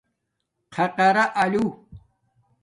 خَقارا لُوہ